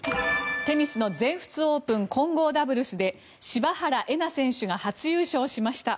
テニスの全仏オープン混合ダブルスで柴原瑛菜選手が初優勝しました。